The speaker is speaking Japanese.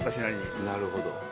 なるほど。